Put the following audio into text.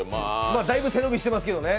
だいぶ背伸びしてますけどね。